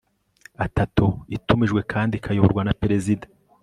atatu itumijwe kandi ikayoborwa na perezida